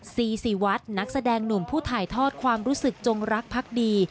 ซีซีวัดนักแสดงหนุ่มผู้ถ่ายทอดความรู้สึกจงรักพักดี